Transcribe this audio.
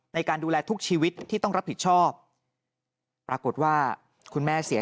ในการดูแลทุกชีวิตที่ต้องรับผิดชอบปรากฏว่าคุณแม่เสีย